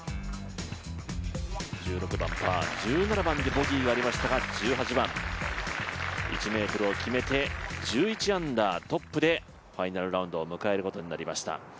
１６番パー、１７番でボギーがありましたが１８番、１ｍを決めて１１アンダートップでファイナルラウンドを迎えることになりました。